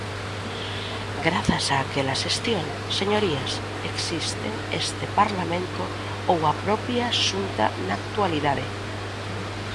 Grazas a aquela xestión, señorías, existen este Parlamento ou a propia Xunta na actualidade.